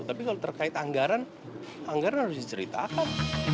tapi kalau terkait anggaran anggaran harus diceritakan